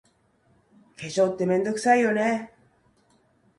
化粧って、めんどくさいよね。